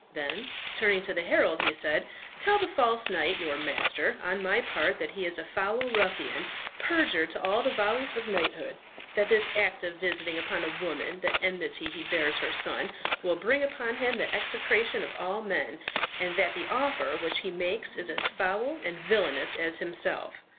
Then, turning to the herald, he said, "Tell the false knight, your master, on my part, that he is a foul ruffian, perjured to all the vows of knighthood; that this act of visiting upon a woman the enmity he bears her son, will bring upon him the execration of all men; and that the offer which he makes me is as foul and villainous as himself.